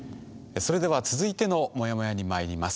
それでは続いてのモヤモヤにまいります。